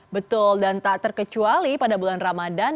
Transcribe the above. betul dan tak terkecuali pada bulan ramadan